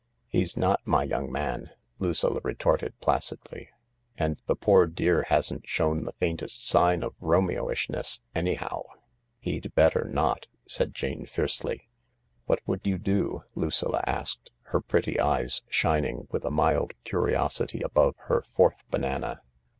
"He's not my young man," Lucilla retorted placixfly; " and the poor dear hasn't shown the faintest sign of Romeo isbpess, aayhow." "He'd better not," said Jane fiercely. " What would you do ?" Lucilla asked, her pretty eye$ shining with a mild curiosity above her fourth banana.